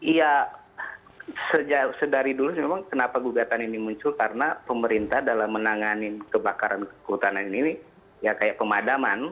iya dari dulu memang kenapa gugatan ini muncul karena pemerintah dalam menangani kebakaran kehutanan ini ya kayak pemadaman